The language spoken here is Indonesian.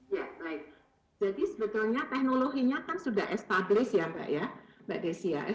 ya baik jadi sebenarnya teknologinya kan sudah established ya mbak desi ya